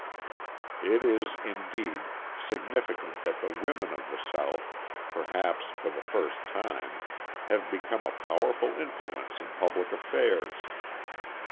It is, indeed, significant that the women of the South, perhaps for the first time, have become a powerful influence in public affairs.